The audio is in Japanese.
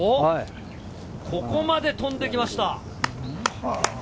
ここまで飛んできました！